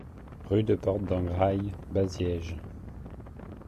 Rue de Porte d'Engraille, Baziège